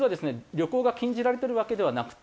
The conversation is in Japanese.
旅行が禁じられているわけではなくて。